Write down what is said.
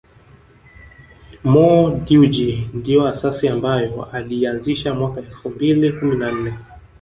Mo Dewji ndio asasi ambayo aliianzisha mwaka elfu mbili kumi na nne